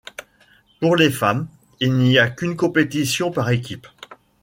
Pour les femmes, il n'y a qu'une compétition par équipes.